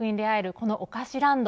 このおかしランド。